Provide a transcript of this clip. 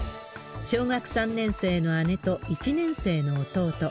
小学３年生の姉と１年生の弟。